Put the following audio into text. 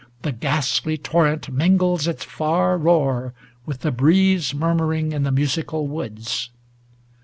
The ghastly torrent mingles its far roar With the breeze murmuring in the musical woods.